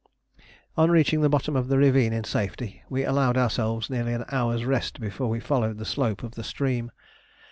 On reaching the bottom of the ravine in safety, we allowed ourselves nearly an hour's rest before we followed the slope of the stream.